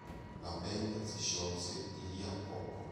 La band si sciolse di li a poco.